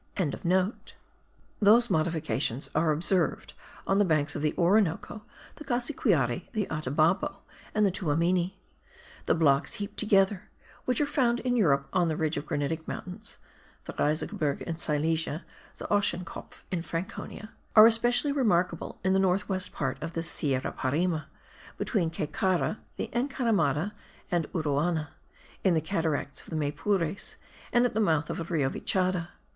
Those modifications are observed on the banks of the Orinoco, the Cassiquiare, the Atabapo, and the Tuamini. The blocks heaped together, which are found in Europe on the ridge of granitic mountains (the Riesengebirge in Silesia, the Ochsenkopf in Franconia), are especially remarkable in the north west part of the Sierra Parime, between Caycara, the Encaramada and Uruana, in the cataracts of the Maypures and at the mouth of the Rio Vichada.